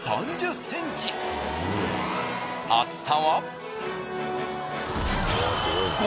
厚さは。